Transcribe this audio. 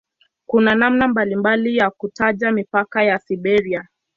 Kuna namna mbalimbali ya kutaja mipaka ya "Siberia".